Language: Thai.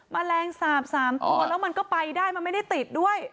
แมลงสาป๓ตัวแล้วมันก็ไปได้มันไม่ได้ติดด้วย